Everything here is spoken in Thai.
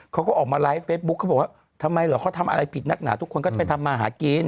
เขาก็ออกมาไลฟ์เฟซบุ๊คเขาบอกว่าทำไมเหรอเขาทำอะไรผิดนักหนาทุกคนก็ไปทำมาหากิน